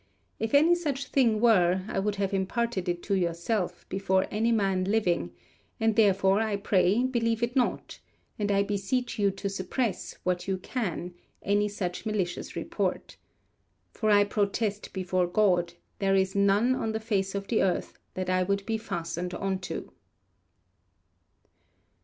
If any such thing were, I would have imparted it to yourself, before any man living; and therefore, I pray, believe it not, and I beseech you to suppress, what you can, any such malicious report. For I protest before God, there is none, on the face of the earth, that I would be fastened unto.